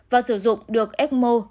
và sử dụng được ecmo